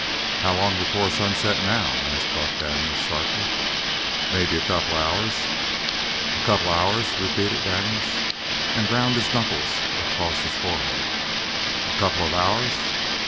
"How long before sunset now?" asked Buck Daniels sharply. "Maybe a couple of hours." "A couple of hours," repeated Daniels, and ground his knuckles across his forehead. "A couple of hours!"